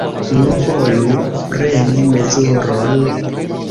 Nu, volu preni mezuron.